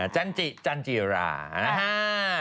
จันจิจันจิรานะฮะ